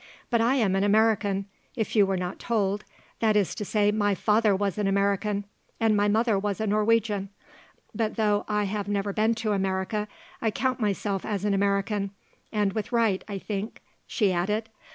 But I am an American if you were not told; that is to say my father was an American and my mother was a Norwegian; but though I have never been to America I count myself as an American, and with right, I think," she added.